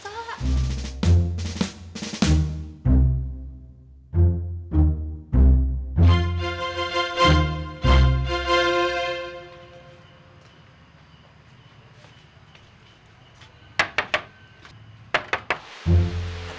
tidak ada apa apa